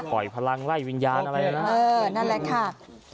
พลังไล่วิญญาณอะไรนะเออนั่นแหละค่ะ